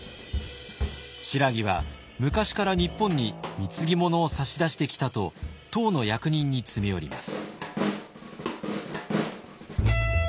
「新羅は昔から日本に貢ぎ物を差し出してきた」と唐の役人に詰め寄ります。